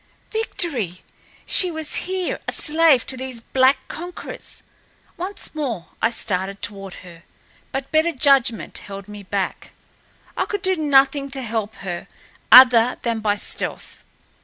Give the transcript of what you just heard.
Victory! She was here, a slave to these black conquerors. Once more I started toward her, but better judgment held me back—I could do nothing to help her other than by stealth.